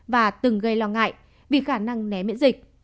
và từng gây lo ngại vì khả năng né miễn dịch